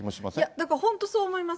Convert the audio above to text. だから、本当にそう思います。